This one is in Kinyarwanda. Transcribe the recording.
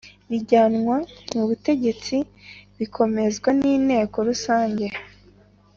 ybijyanwa mu ubutegetsi bikemezwa n Inteko Rusange